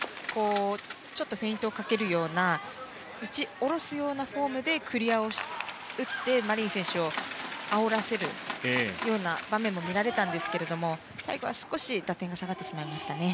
ちょっとフェイントをかけるような打ち下ろすようなフォームでクリアを打ってマリン選手をあおらせるような場面も見られたんですけども最後は少し打点が下がってしまいましたね。